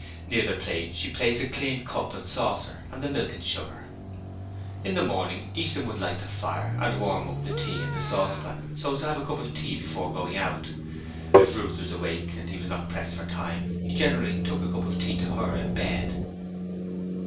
Near the plate she placed a clean cup and saucer and the milk and sugar. In the morning Easton would light the fire and warm up the tea in the saucepan so as to have a cup of tea before going out. If Ruth was awake and he was not pressed for time, he generally took a cup of tea to her in bed.